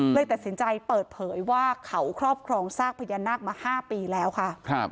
เลยตัดสินใจเปิดเผยว่าเขาครอบครองซากพญานาคมา๕ปีแล้วค่ะ